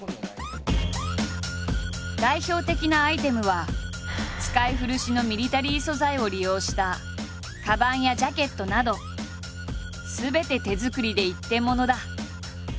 代表的なアイテムは使い古しのミリタリー素材を利用したかばんやジャケットなどすべて手作りで一点物だ。